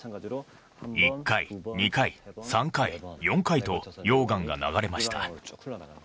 １回２回３回４回と溶岩が流れました